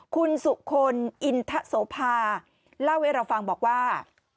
คุณสุคลอินทะโสภาเล่าให้เราฟังบอกว่า